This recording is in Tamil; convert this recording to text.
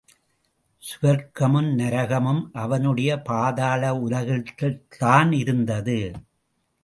சுவர்க்கமும் நரகமும் அவனுடைய பாதாள உலகில்தான் இருந்தன.